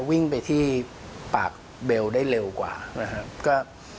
วิ่งไปที่ปากเบลได้เร็วกว่านะครับ